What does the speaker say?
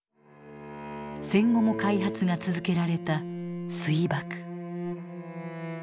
戦後も開発が続けられた「水爆」。